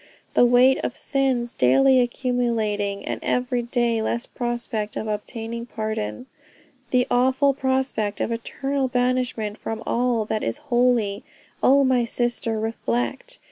The weight of sins daily accumulating, and every day less prospect of obtaining pardon. The awful prospect of eternal banishment from all that is holy, oh my sister, reflect....